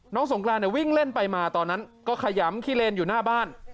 สงกรานเนี่ยวิ่งเล่นไปมาตอนนั้นก็ขยำขี้เลนอยู่หน้าบ้าน